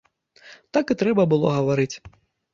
Так і трэба было гаварыць.